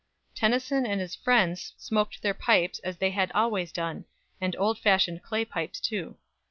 Tennyson and his friends smoked their pipes as they had always done and old fashioned clay pipes too.